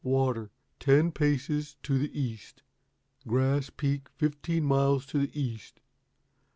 'Water ten paces to the east. Grass Peak fifteen miles to the east.